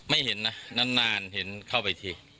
ไม่เห็นนะนานเห็นเข้าไปที